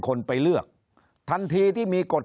คนในวงการสื่อ๓๐องค์กร